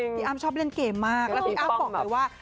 พี่อ้ำชอบเล่นเกมมากแล้วพี่อ้ำบอกเลยว่า